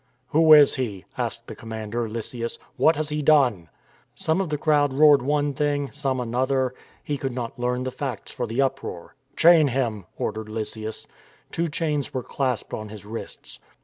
"Who is he?" asked the commander, Lysias. "What has he done?" Some of the crowd roared one thing, some another. He could not learn the facts for the uproar. " Chain him," ordered Lysias. Two chains were clasped on his wrists.